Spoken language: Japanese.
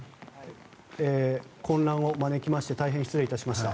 混乱を招きまして大変、失礼いたしました。